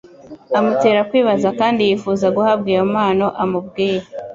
Amutera kwibaza kandi yifuza guhabwa iyo mpano amubwiye.